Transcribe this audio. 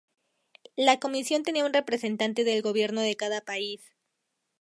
La Comisión tenía un representante del gobierno de cada país.